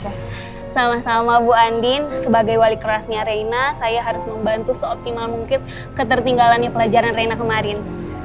sama sama bu andien sebagai wali kerasnya rena saya harus membantu seoptimal mungkin ketertinggalan pelajaran rena kemarin